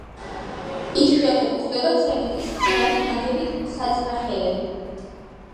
იშვიათად გვხვდება ცემენტის ხსნარით ნაგები საწნახელები.